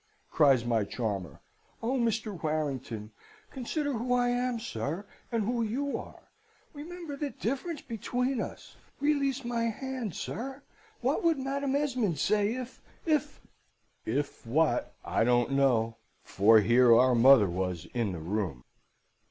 cries my charmer. 'Oh, Mr. Warrington! consider who I am, sir, and who you are! Remember the difference between us! Release my hand, sir! What would Madam Esmond say if if ' "If what, I don't know, for here our mother was in the room.